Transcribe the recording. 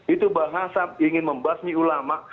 itu bahasa ingin membasmi ulama